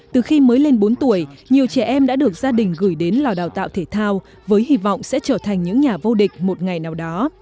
từ khi mới lên bốn tuổi nhiều trẻ em đã được gia đình gửi đến lò đào tạo thể thao với hy vọng sẽ trở thành những nhà vô địch một ngày nào đó